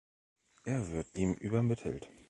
Er wird ihm übermittelt.